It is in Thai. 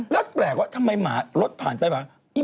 แล้วแปลกว่าทำไมหมารถผ่านไปป่ะ